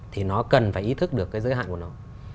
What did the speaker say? thì nó cần phải ý thức được cái giới hạn của nó